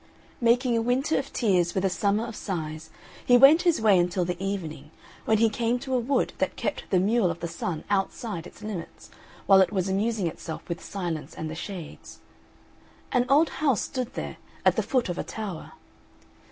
Making a winter of tears with a summer of sighs he went his way until the evening, when he came to a wood that kept the Mule of the Sun outside its limits, while it was amusing itself with Silence and the Shades. An old house stood there, at the foot of a tower.